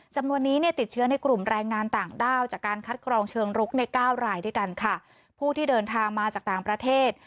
จำนวนนี้เนี่ยติดเชื้อในกลุ่มแรงงานต่างด้าวจากการคัดกรองเชิงรุกในเก้ารายด้วยกันค่ะผู้ที่เดินทางมาจากต่างประเทศ